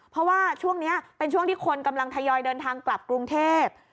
เพราะว่าช่วงนี้เป็นช่วงที่คนกำลังทยอยเดินทางกลับกรุงเทพ